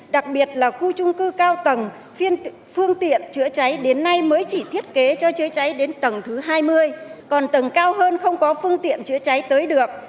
đặc biệt là khu trung cư cao tầng phương tiện chữa cháy đến nay mới chỉ thiết kế cho chữa cháy đến tầng thứ hai mươi còn tầng cao hơn không có phương tiện chữa cháy tới được